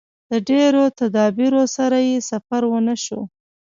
د ډېرو تدابیرو سره یې سفر ونشو.